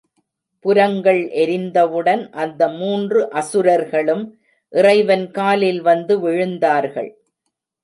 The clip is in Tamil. புரங்கள் எரிந்தவுடன் அந்த மூன்று அசுரர்களும் இறைவன் காலில் வந்து விழுந்தார்கள்.